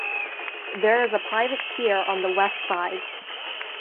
There is a private pier on the west side.